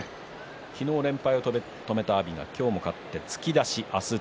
昨日、連敗を止めた阿炎が今日も勝って突き出し。